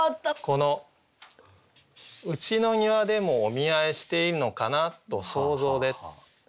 この「うちの庭でもお見合いしているのかな。と想像で」。